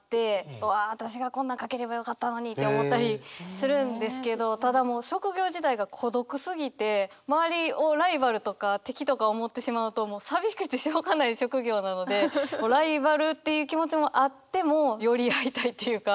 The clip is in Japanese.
うわ私がこんなん書ければよかったのにって思ったりするんですけどただもう職業自体が孤独すぎて周りをライバルとか敵とか思ってしまうと寂しくてしょうがない職業なのでもうライバルっていう気持ちもあっても寄り合いたいっていうか。